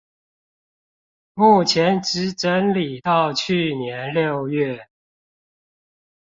目前只整理到去年六月